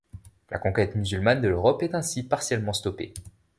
La conquête musulmane de l'Europe est ainsi partiellement stoppée.